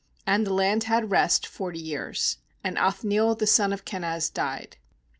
"And the land had rest forty years. And Othniel the son of Kenaz died.